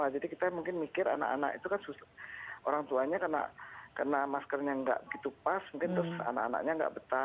jadi kita mungkin mikir anak anak itu kan orang tuanya karena maskernya tidak begitu pas mungkin terus anak anaknya tidak betah